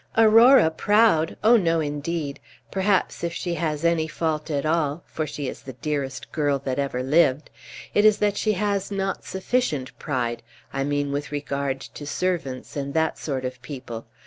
"Aurora proud! oh no, indeed! perhaps, if she has any fault at all (for she is the dearest girl that ever lived), it is that she has not sufficient pride I mean with regard to servants, and that sort of people.